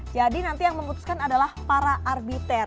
nanti yang memutuskan adalah para arbiter